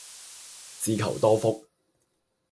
自求多福